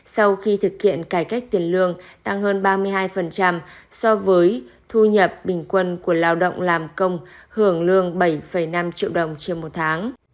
sau khi thực hiện cải cách tiền lương tăng hơn ba mươi hai so với thu nhập bình quân của lao động làm công hưởng lương bảy năm triệu đồng trên một tháng